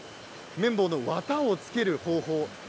綿棒の綿を付ける方法です。